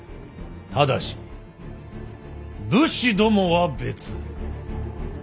ただし武士どもは別。